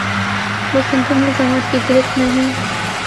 وہ سنگین الزامات کی گرفت میں ہیں۔